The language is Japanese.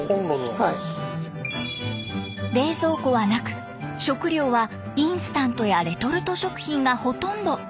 冷蔵庫はなく食料はインスタントやレトルト食品がほとんど。